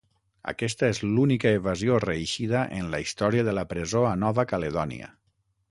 Aquesta és l'única evasió reeixida en la història de la presó a Nova Caledònia.